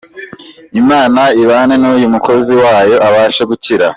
Imana ibane n’uyu mukozi wo yo abashe gukira.